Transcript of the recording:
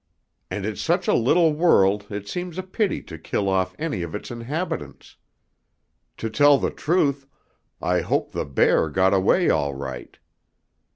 And it's such a little world it seems a pity to kill off any of its inhabitants. To tell the truth, I hope the bear got away all right.